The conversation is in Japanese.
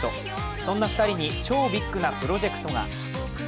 そんな２人に超ビッグなプロジェクトが。